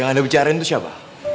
yang anda bicarain itu siapa